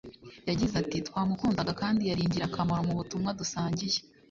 yagize ati“Twamukundaga kandi yari ingirakamaro mu butumwa dusangiye